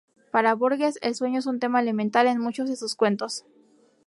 Para Borges, el sueño es un tema elemental en muchos de sus cuentos.